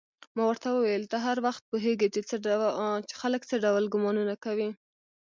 ما ورته وویل: ته هر وخت پوهېږې چې خلک څه ډول ګومانونه کوي؟